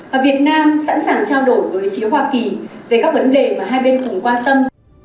và việt nam sẵn sàng trao đổi với phiếu hoa kỳ về các vấn đề mà hai bên cùng quan tâm